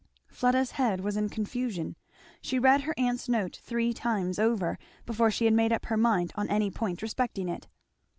Fleda's head was in confusion; she read her aunt's note three times over before she had made up her mind on any point respecting it.